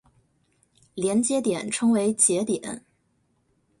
连接点称为节点。